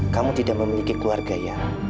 kamu tidak memiliki keluarga ya